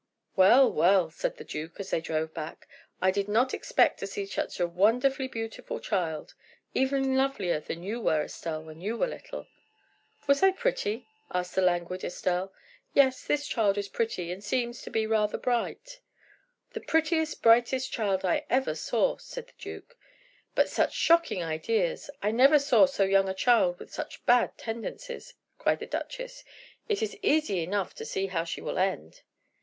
"Well, well," said the duke, as they drove back, "I did not expect to see such a wonderfully beautiful child. Even lovelier than you were, Estelle, when you were little." "Was I pretty?" asked the languid Estelle. "Yes, this child is pretty, and seems to be rather bright." "The prettiest, brightest child I ever saw," said the duke. "But such shocking ideas! I never saw so young a child with such bad tendencies!" cried the duchess. "It is easy enough to see how she will end."